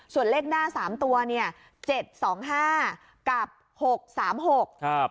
ส่วนเลขหน้า๓ตัวเนี่ย๗๒๕กับ๖๓๖